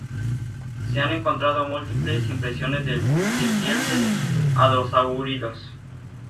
Se han encontrado múltiples impresiones de piel de hadrosáuridos.